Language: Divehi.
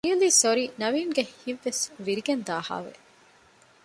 ރިއަލީ ސޮރީ ނަވީންގެ ހިތްވެސް ވިރިގެންދާހާވެ